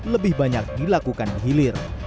lebih banyak dilakukan di hilir